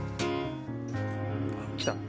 来た！